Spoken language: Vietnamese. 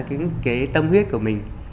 cái tâm huyết của mình